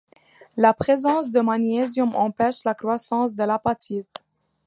La présence de magnésium empêche la croissance de l'apatite.